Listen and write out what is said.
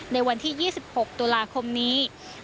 ในวันที่๒๖ตุลาคมนี้